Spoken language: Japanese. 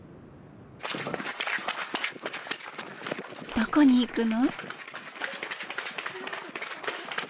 どこに行くの？